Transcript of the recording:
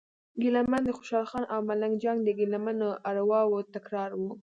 ګیله من د خوشال خان او ملنګ جان د ګیله منو ارواوو تکرار و.